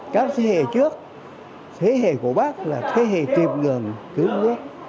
các thế hệ trước thế hệ của bác là thế hệ tiệm ngừng tướng nhất